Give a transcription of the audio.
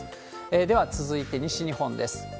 では、続いて西日本です。